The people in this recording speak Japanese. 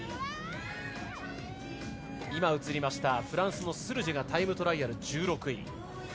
フランスのスルジェがタイムトライアル１６位。